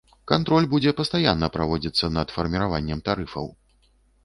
Кантроль будзе пастаянна праводзіцца над фарміраваннем тарыфаў.